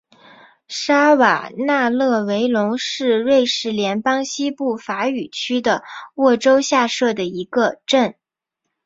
沙瓦讷勒维龙是瑞士联邦西部法语区的沃州下设的一个镇。